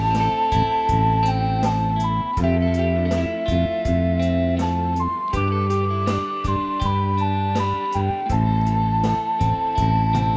มเหลว